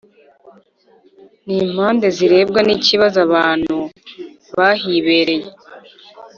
N impande zirebwa n ikibazo abantu bahibereye